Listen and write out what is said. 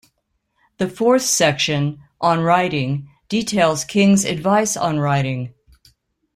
The fourth section, "On Writing", details King's advice on writing.